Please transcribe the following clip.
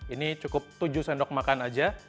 ini cukup tujuh sendok makan aja